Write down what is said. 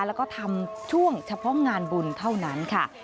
แล้วก็ทำช่วงเฉพาะงานบุญเท่านั้นค่ะ